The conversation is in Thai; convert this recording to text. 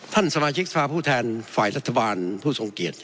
ท่านสมาชิกสภาพผู้แทนฝ่ายรัฐบาลผู้ทรงเกียจ